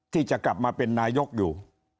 ที่จะกลับมาเป็นนายกอยู่